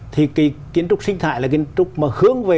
thì cái kiến trúc sinh thái là kiến trúc mà hướng về